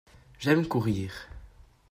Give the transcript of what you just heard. J’aime courir.